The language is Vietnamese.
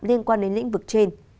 liên quan đến lĩnh vực trên